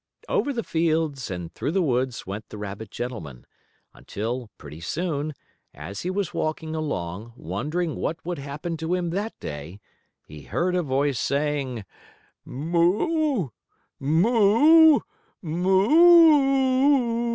Over the fields and through the woods went the rabbit gentleman, until, pretty soon, as he was walking along, wondering what would happen to him that day, he heard a voice saying: "Moo! Moo! Moo o o o o!"